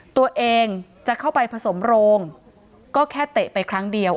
ตัวเองจะเข้าไปผสมโรงก็แค่เตะไปครั้งเดียว